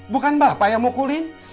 bukan bapak yang mukulin